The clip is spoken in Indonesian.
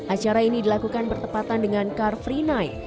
acara ini dilakukan bertepatan dengan car free night